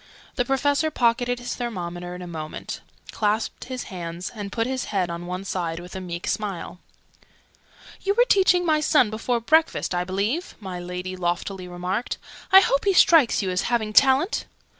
The Professor pocketed his thermometer in a moment, clasped his hands, and put his head on one side with a meek smile. "You were teaching my son before breakfast, I believe?" my Lady loftily remarked. "I hope he strikes you as having talent?"